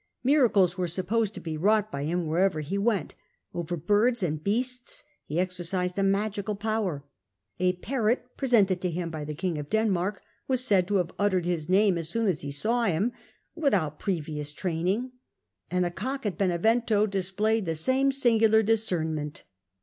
Miracles were supposed to be wrought by him wherever he went ; over birds and beasts he exer cised a magic power ; a parrot presented to him by the king of Denmark was said to have uttered his name as soon as it saw him, without previous training ; and a cock at Benevento displayed the same singular discern ment.